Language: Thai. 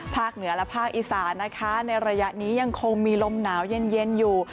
เหนือและภาคอีสานนะคะในระยะนี้ยังคงมีลมหนาวเย็นอยู่